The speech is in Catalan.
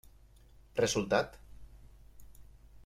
Resultat?